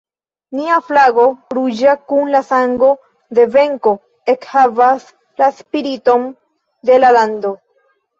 Nia flago, ruĝa kun la sango de venko, ekhavas la spiriton de la lando.